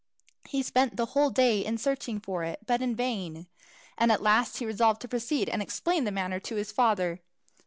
He spent a whole day in searching for it, but in vain; and at last he resolved to proceed and explain the matter to his father.